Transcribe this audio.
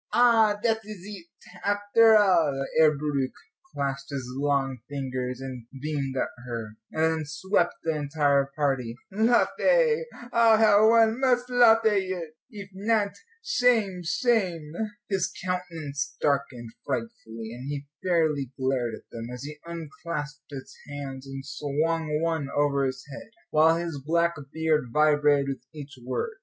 "Ah, dat is eet, after all." Herr Bauricke clasped his long fingers and beamed at her, and then swept the entire party. "Lofe, ah, how one must lofe eet! Eef not, shame, shame!" His countenance darkened frightfully, and he fairly glared at them, as he unclasped his hands and swung one over his head, while his black beard vibrated with each word.